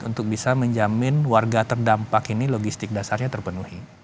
untuk bisa menjamin warga terdampak ini logistik dasarnya terpenuhi